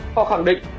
họ khẳng định